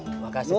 terima kasih cik